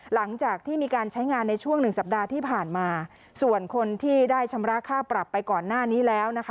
หลังจากที่มีการใช้งานในช่วงหนึ่งสัปดาห์ที่ผ่านมาส่วนคนที่ได้ชำระค่าปรับไปก่อนหน้านี้แล้วนะคะ